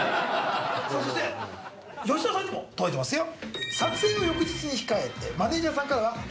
そして吉沢さんにも届いてますよ。